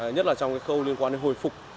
nhất là trong cái khâu liên quan đến hồi phục